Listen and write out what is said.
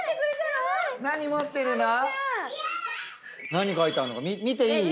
何描いてあるのか見ていい？